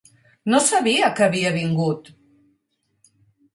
No sabia que havia vingut!